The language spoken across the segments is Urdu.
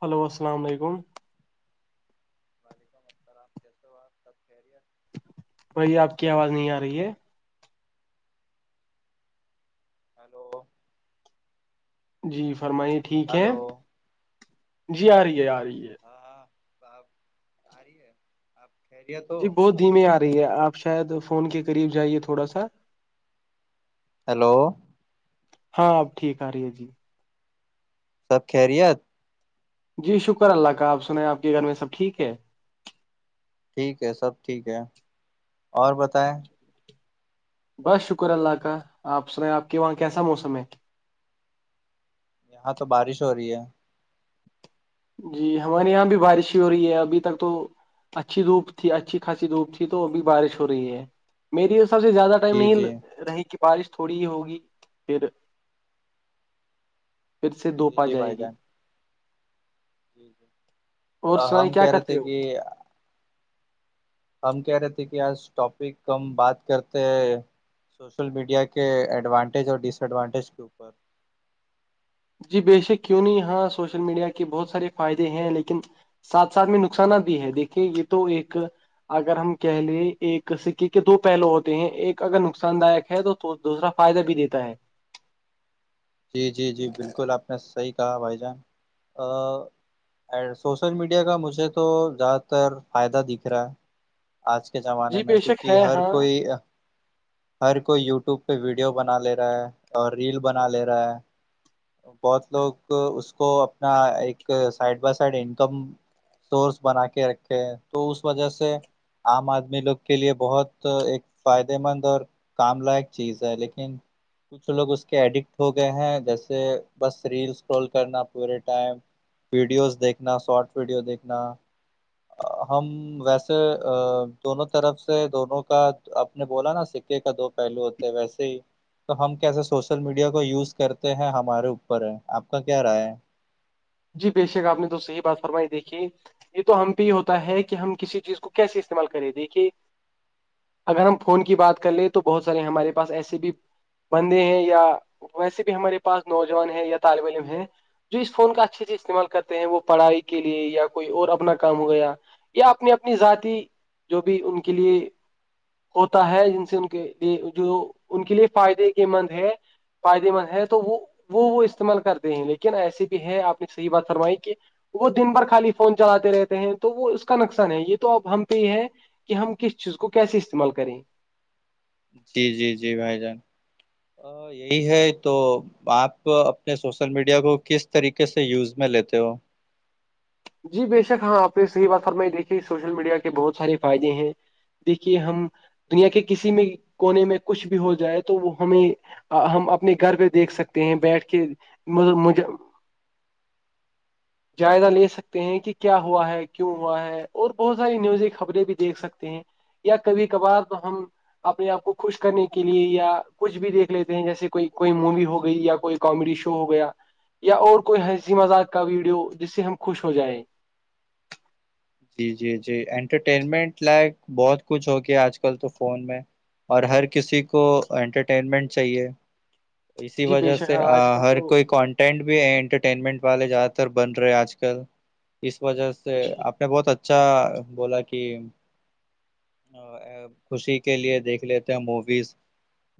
ہیلو السلام علیکم وعلیکم السلام کیسے ہو آپ سب خیریت [inaudible] بھائی آپ کی آواز نہیں آ رہی ہے ہیلو جی فرمائیے ٹھیک ہے جی آ رہی ہے آ رہی ہے ہاں ہاں صاحب آ رہی ہے آپ خیریت ہو جی بہت دھیممی آ رہی ہے آپ شاید فون کے قریب جائیے تھوڑا سا ہیلو ہاں اب ٹھیک آ رہی ہے جی سب خیریت جی شکر اللہ کا آپ سنیں آپ کے گھر میں سب ٹھیک ہے ٹھیک ہے سب ٹھیک ہے اور بتائیں بس شکر اللہ کا آپ سنیں آپ کے وہاں کیسا موسم ہے یہاں تو بارش ہو رہی ہے جی ہمارے یہاں بھی بارش ہی ہو رہی ہے ابھی تک تو اچھی دھوپ تھی اچھی خاصسی دھوپ تھی تو بھی بارش ہو رہی ہے میری حساب سے زیادہ ٹائم جی نہیں جی رہی کہ بارش تھوڑی ہی ہوگی پھر پھر سے جی دھوپ آ جائے گی اور آ ہم سنائی کیا کہہ رہے کرتے تھے ہو کہ ہم کہہ رہے تھے کہ آج ٹاپک کم بات کرتے ہیں سوشل میڈیا کے ایڈوانٹیج اور ڈس ایڈوانٹیج کے اوپر جی بے شک کیوں نہیں یہاں سوشل میڈیا کے بہت سارے فائدے ہیں لیکن ساتھ ساتھ میں نقصانات بھی ہے دیکھیے یہ تو ایک اگر ہم کہہ لیں ایک سکے کے دو پہلو ہوتے ہیں ایک اگر نقصان داک ہے تو تو دوسرا فائدہ بھی دیتا ہے جی جی جی بالکل آپ نے صحیح کہا بھائی جان ا سوشل میڈیا کا مجھے تو زیادہ تر فائدہ دکھ رہا ہے آج کے زمانے جی میں بے شک کیونکہ ہے ہر ہاں کوئی ہر کوئی یوٹیوب پہ ویڈیو بنا لے رہا ہے اور ریل بنا لے رہا ہے بہت لوگ اس کو اپنا ایک side by side income source بنا کے رکھے تو اس وجہ سے عام آدمی لوگ کے لیے بہت ایک فائدے مند اور کام لائق چیز ہے لیکن کچھ لوگ اس کے ایڈکٹ ہو گئے ہیں جیسے بس ریلس سکرول کرنا پورے ٹائم ویڈیوز دیکھنا شارٹ ویڈیو دیکھنا ہم ویسے دونوں طرف سے دونوں کا اپ نے بولا نا سکے کا دو پہلو ہوتے ویسے ہی تو ہم کیسے سوشل میڈیا کو کو یوز کرتے ہیں ہمارے اوپر ہے آپ کا کیا رائے ہے جی بے شک آپ نے تو صحیح بات فرمائی دیکھی یہ تو ہم پہ ہی ہوتا ہے کہ ہم کسی چیز کو کیسے استعمال کرے دیک کہے اگر ہم فون کی بات کر لے تو بہت سارے ہمارے پاس ایسے بھی بندے ہیں یا ویسے بھی ہمارے پاس نوجوان ہیں یا طالب علم ہے جس فون کا اچھے استعمال کرتے ہیں وہ پڑھائی کے لیے یا کوئی اور اپنا کام وعیرہ یا اپنی اپنی ذاتی جو بھی ان کے لیے ہوتا ہے جن سے ان کے لیے جو ان کے لیے فائدے کے مند ہے فائدے مند ہے تو وہ وہ وہ استعمال کرتے ہیں لیکن ایسے بھی ہے آپ نے صحیح بات فرمائی کہ وہ دن بھر خالی فون چلاتے رہتے ہیں تو وہ اس کا نقسان ہے یہ تو اب ہم پہ ہی ہے کہ ہم کس چیز کو کیسے استعمال کریں جی جی جی بھائی جان یہی ہے تو آپ اپنے سوشل میڈیا کو کس طریقے سے یوز میں لیتے ہو جی بے شک ہاں آپ نے صحی بات کر میں دیکھیے سوشل میڈیا کے بہت سارے فائدے ہیں دیکھیے ہم دنیا کے کسی بھی کونے میں کچھ بھی ہو جائے تو وہ ہمیں ہم اپنے گھر پہ دیکھ سکتے ہیں بیٹھ کے مطلب جائزہ لے سکتے ہیں کہ کیا ہوا ہے کیوں ہوا ہے اور بہت ساری نیوزی خبریں بھی دیکھ سکتے ہیں یا کبھی کبھار تو ہم اپنے آپ کو خوش کرنے کے لیے یا کچھ بھی دیکھ لیتے ہیں جیسے کوئی کوئی مووی ہو گئی یا کوئی کامیڈی شو ہو گیا یا اور کوئی ہنسی مذاق کا ویڈیو جس سے ہم خوش ہو جائیں جی جی جی انٹرٹینمنٹ لائک بہت کچھ ہو گیا آج کل تو فون میں اور ہر کسی کو انٹرٹینمنٹ چاہیے اسی جی بے وجہ شک سے ہاں آج کل ہر تو کوئی کوان بھیٹرٹینمنٹ والے زیادہ تر بن رہے ہیں آج کل اس وجہ سے میں بہت اچھا بولا کہ خوشی کے لیے دیکھ لیتے ہیں موویز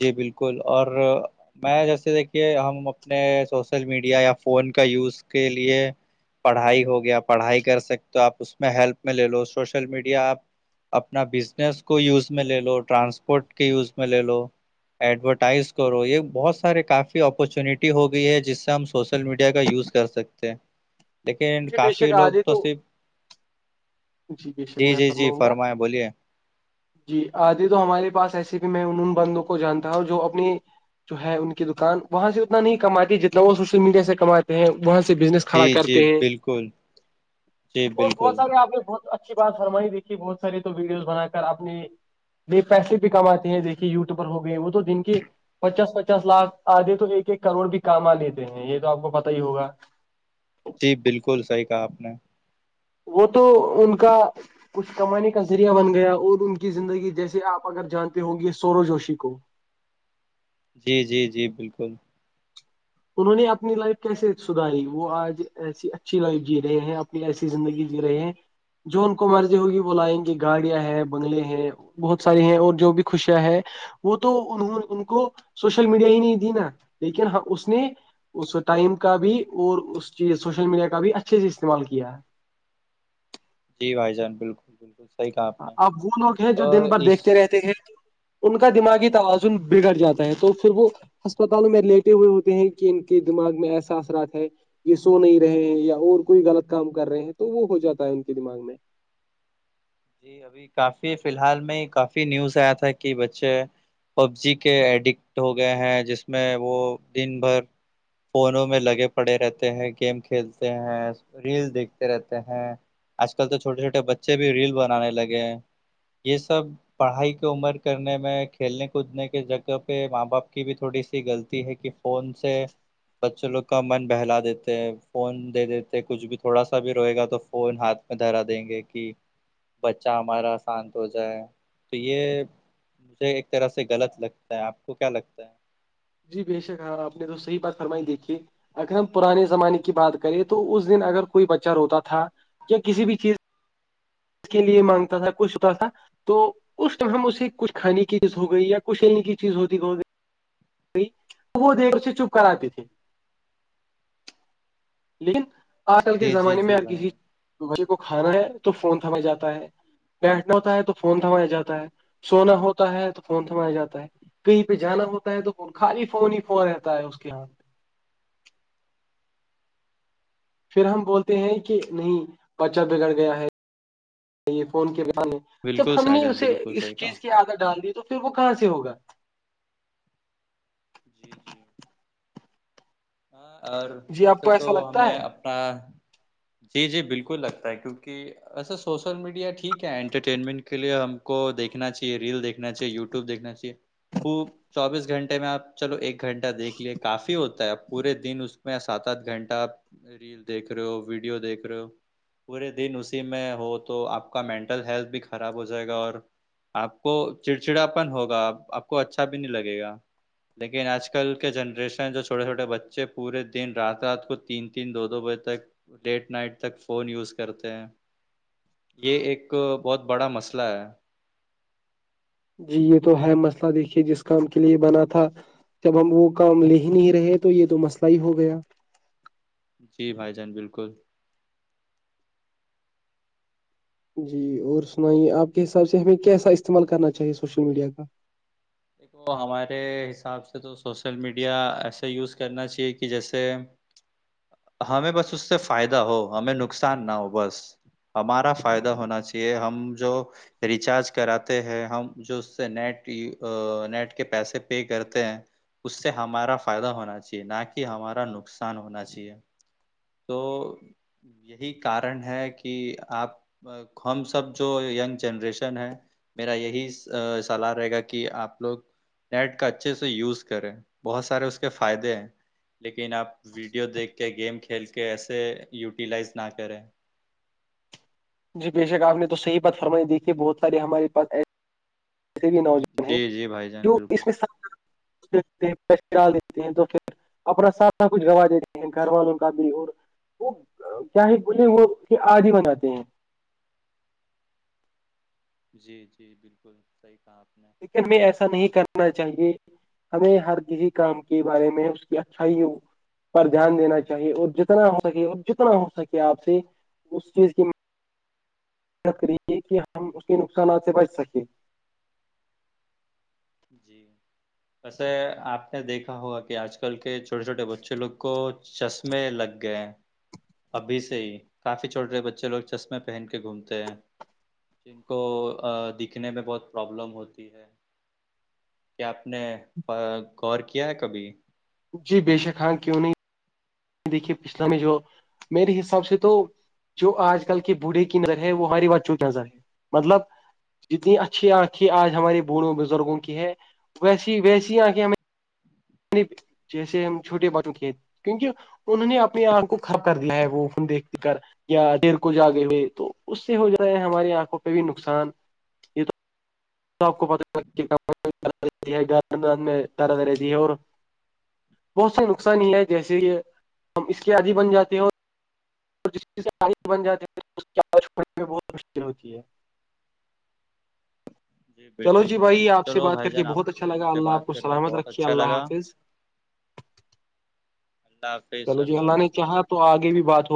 جی بالکل اور پایا جیسے دیکھیے ہم اپنے سوشل میڈیا یا فون کا یوز کے لیے پڑھائی ہو گیا پڑھائی کر سکتے آپ اس میں ہیلپ میں لے لو سوشل میڈیا آپ اپنا بزنس کو یوز میں لے لو ٹرانسپورٹ کے یوز میں لے لو ایڈورٹائز کرو یہ بہت سارے کافی اپارچونیٹی ہو گئی ہے جس سے ہم سوشل میڈیا کا یوز کر سکتے ہیں لیکن جی بے کافی شک لوگ تو آدتو صرف جی جی جی فرمائیں بولیے جی آدی تو ہمارے پاس ایسے بھی میں ان بندوں کو جانتا ہوں جو اپنی جو ہے ان کی دکان وہاں سے اتنا نہیں کماتی جتنا وہ سوشل میڈیا سے کماتی ہیں وہاں سے بزنس کھڑا جی جی کرتے ہیں بالکل جی اور بہت بالکل سارے آپ نے بہت اچھی بات فرمائی دیکھی بہت ساری تو ویڈیوز بنا کر اپنی پیسے بھی کماتے ہیں دیکھیے یوٹٹیوبر ہو گئے وہ تو دن کے پچاس پچاس لاکھ آدھے تو ایک ایک کروڑ بھی کام آ لیتے ہیں یہ تو آپ کو پتا ہی ہوگا جی بالکل صحیح کہا آپ نے وہ تو ان کا کچھ کمانے کا ذریعہ بن گیا اور ان کی زندگی جیسے آپ اگر جانتے ہ گے سورو جوشی کو جی جی جی بالکل انہوں نے اپنی لائف کیسے سدھاری وہ آج ایسی اچھی لائف جی رہے ہیں ایسی زندگی جی رہے ہیں جو ان کو مرضی ہوگی ب لائیں گے گاڑیاں ہیں بنگلے ہیں بہت ساری ہیں اور جو بھی خوشیاں ہیں وہ تو انہوں ان کو سوشل میڈیا ہی نہیں دی نا لیکن ہم اس نے اس ٹائم کا بھی اور اس چیز سوشل میڈیا کا بھی اچھے سے استعمال کیا ہے جی بھائی جان بالکل بالکل صحیح کہا آپ نے اب وہ لوگ ہیں جو آ، دن بھر اس دیکھتے رہتے ہیں ان کا دماغی توازن بگڑ جاتا ہے تو پھر وہ ہسپتالوں میں لیٹے ہوئے ہوتے ہیں کہ ان کے دماغ میں ایسا اثرات ہے یہ سو نہیں رہے ہیں یا اور کوئی غلط کام کر رہے ہیں تو وہ ہو جاتا ہے ان کے دماغ میں جی ابھی کافی فلحال میں کافی نیوز آیا تھا کہ بچے پب جی کے ایڈکٹ ہو گئے ہیں جس میں وہ دن بھر فونوں میں لگے پڑے رہتے ہیں گیم کھیلتے ہیں ریل دیکھتے رہتے ہیں آج کل تو چھوٹے چھوٹے بچے بھی ریل بنانے لگے یہ سب پڑھائی کی عمر کرنے میں کھیلنے کودنے کے جگہ پہ ماں باپ کی بھی تھوڑی سی غلطی ہے کہ کون سے بچوں لوگ کا من بہلا دیتے ہیں فون دے دیتے کچھ بھی تھوڑا سا بھی روے گا تو فون ہاتھ دہرا دیں گے کہ بچہ ہمارا شانت ہو جائے تو یہ مجھے ایک طرح سے غلط لگتا ہے آپ کو کیا لگتا ہے جی بے شک ہاں آپ نے تو صحیح بات فرمائی دیکھی اگر ہم پرانے زمانے کی بات کریں تو اس دن اگر کوئی بچہ روتا تھا کسی بھی چیز کے لیے مانگتا تھا کچھ ہوتا تھا تو اس ٹم اسے کچھ کھانے کی چیز ہو گئی یا دے نی کی چیز ہوتی وہ دےکےچپ کر آتے تھے لیکن آج کل کے جی جی زمانے میں جی اگر بھائی کسی بھائی بالکل کو کھانا ہے تو فون تھما جاتا ہے بیٹھنا ہوتا ہے تو فون تھمایا جاتا ہے سونا ہوتا ہے تو فون تھمایا جاتا ہے کہیں پہ جانا ہوتا ہے تو خالی فون ہی فون رہتا ہے اس کے ہاتھ پھر ہم بولتے ہیں کہ نہیں بچہ بگڑ گیا ہے یہ فون کے بنا نہیں جب بالکل ہم سائی نے جان اسے بالکل اس صحیح کہا چیز کے عادت ڈال دی تو پھر وہ کہاں سے ہوگا جی جی اور جی آپ ویسے کو تو ایسا لگتا ہمیں ہے اپنا جی جی بالکل لگتا ہے کیونکہ ویسے سوشل میڈیا ٹھیک ہے انٹرٹینمنٹ کے لیے ہم کو دیھکنا چاہیے ریل دیکھنا چاہیے یوٹیوب وب دیکھنا چاہیے وہ چوبیس گھنٹے میں آپ چلو ایک گھنٹہ دیکھ لیے کافی ہوتا ہے پورے دن اس اس میں سات آٹھ گھنٹہ ریل دیکھ رہے ہو ویڈیو دیکھ رہے ہو پورے دن اسی میں ہو تو آپ کا مینٹل ہیلتھ بھی خراب ہو جائے گا اور آپ کو چڑچڑاپن ہوگا آ آپ کو اچھا بھی نہیں لگے گا لیکن آج کل کے جنریشن چھوٹے چھوٹے بچے چبے پورے دن رات رات کو تین تین دو دو بجے تک لیٹ نائٹ تک فون یوز کرتے ہیں یہ ایک بہت بڑا مسئلہ ہے جی یہ تو ہے مسئلہ دیکھیے جس کام کے لیے یہ بنا تھا جب ہم وہ کام لے ہی نہیں رہے تو یہ تو مسئلہ ہی ہو گیا جی بھائی جان بالکل جی اور سنائیے آپ کے حساب سے ہمیں کیسا استعمال کرنا چاہیے سوشل میڈیا کا دیکھو ہمارے حساب سے تو سوشل میڈیا ایسے یوز کرنا چاہیے کہ جیسے ہمیں بس اس سے فائدہ ہو ہمیں نقصان نہ ہو بس ہمارا فائدہ ہونا چاہیے ہم جو ریچارج کراتے ہیں ہم جو اس سے نیٹ نیٹ کے پیسے پے کرتے ہیں اس سے ہمارا فائدہ ہونا چاہیے نہ کہ ہمارا نقصان ہونا چاہیے تو یہی کارن ہے کہ آپ ہم سب جو ینگ جنریشن ہے میرا یہی سلاح رہے گا کہ آپ لوگ نیٹ کا اچھے سے یوز کریں بہت سارے اس کے فائدے ہیں لیکن آپ ویڈیو دیکھ کے گیم کھیل کے ایسے یوٹیلائز نہ کریں جی بے شک آپ نے تو صحیح بات فرمائی دییکھی ہے بہت سارے ہمارے پاس ایسے بھی نوجوان ہیں جی جی بھائی جو جان اس بالکل میں [unintelligible] اپنا سارا کچھ گنوا دیتے ہیں گھر والوں کا بھی وہ کیا ہے بولے وہ کہ آد ہی بناتے ہیں جی [inaudible] لن میں ایسا نہیں کرنا چاہیے ہمیں ہر کسی کام کے بارے میں اس کی اچھائی ہو پر دھیان دینا چاہیے اور جتنا ہو سکے اور جتنا ہو سکے آپ سے اس چیز کی کری ہے کہ ہم اس کے نقصانات سے بچ سکیں [inaudible] ویسے آپ نے دیکھا ہوگا کہ آج کل کے چھوٹے چھوٹے بچے لوگ کو چشمے لگ گئے ابھی سے ہی کافی چھوٹے بچے لوگ چشمے پہن کے گھومتے ہیں جن کو دکھنے میں بہت پرابلم ہوتی ہے کیا آپ نے غور کیا ہے کبھی جی بے شک ہاں کیوں نہیں دیکھیے پچھلاام میں جو میرے حساب سے تو جو آج کل کے بوڑھے کی نظر ہے وہ ہماری ب چوں کی نظر ہے مطلب جتنی اچھی آنکھیں آج ہمارے بوڑھوں بزرگوں کی ہے ویسی ویسی آنکھیں ہمیں جیسے ہم چھوٹے بچوں کے کیونکہ انہوں نے اپنی آنکھ کو کھپ کر دیا ہے وہ دیکھ کر یا دیر کو جاگے ہوئے تو اس سے ہو جائے ہے ہماری آنکھوں پہ بھی نقصان سب کو [unintelligible] بہت سے نقصان ہی ہے جیسے یہ ہم اس کے عدی بن جاتے ہیں اور جس چیز سے پانی بن جاتے ہیں اس کی آوازنے بہت مشکل ہوتی ہے چلو بالکل جی جان بھائی آپ سے چلو بات کر بھائی کے جان آپ بہت اچھا سے لگا مجھے اللہ آپ بات کو کر کے سلامت بہت رکھیے اچھا اللہ لگا حافظ اللہ حافظ چلو جی اللہ الہا نے حافظ چا تو آگے بھی بات ہو